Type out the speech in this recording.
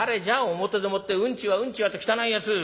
表でもって『うんちはうんちは』と汚いやつ。